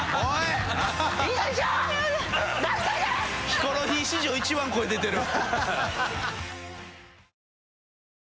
ヒコロヒー史上一番声出てる。